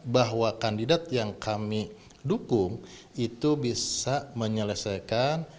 bahwa kandidat yang kami dukung itu bisa menyelesaikan